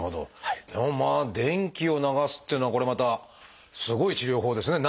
でもまあ電気を流すっていうのはこれまたすごい治療法ですね。